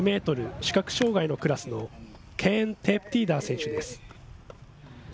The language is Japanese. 視覚障害のクラスのケーン・テープティダー選手です。